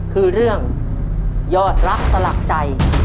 คือเรื่องยอดรักสลักใจ